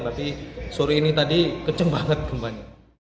tapi sore ini tadi kecem banget gempanya